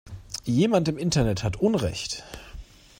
Jemand im Internet hat unrecht.